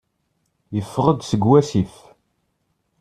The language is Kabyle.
Yeffeɣ-d seg wasif.